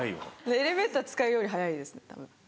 エレベーター使うより早いですたぶん。